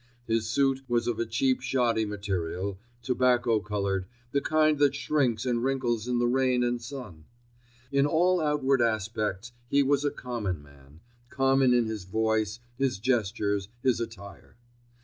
His suit was of a cheap shoddy material—tobacco coloured, the kind that shrinks and wrinkles in the rain and sun. In all outward aspects he was a common man—common in his voice, his gestures, his attire.